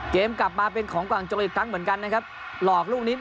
กลับมาเป็นของกลางโจรอีกครั้งเหมือนกันนะครับหลอกลูกนี้